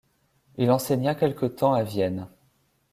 Il enseigna quelque temps à Vienne.